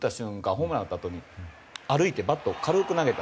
ホームランを打ったあとに歩いてバットを軽く投げた。